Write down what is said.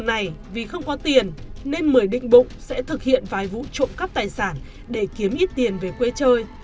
lần ra tù này vì không có tiền nên mười định bụng sẽ thực hiện vài vũ trụ cắp tài sản để kiếm ít tiền về quê chơi